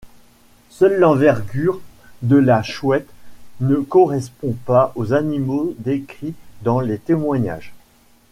Seule l'envergure de la chouette ne correspond pas aux animaux décrits dans les témoignages.